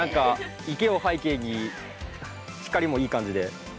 池を背景に光もいい感じで。